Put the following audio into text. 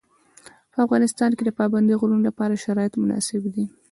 په افغانستان کې د پابندي غرونو لپاره شرایط مناسب دي.